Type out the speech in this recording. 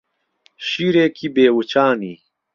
شیرێکی بێ وچانی